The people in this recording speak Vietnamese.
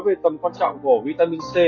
về tầm quan trọng của vitamin c